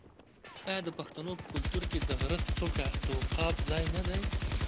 آیا د پښتنو په کلتور کې د غره څوکه د عقاب ځای نه دی؟